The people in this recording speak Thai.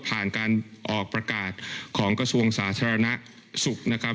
การออกประกาศของกระทรวงสาธารณสุขนะครับ